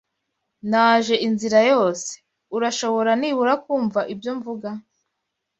Naje inzira yose. Urashobora nibura kumva ibyo mvuga.